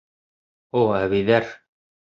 О әбейҙәр!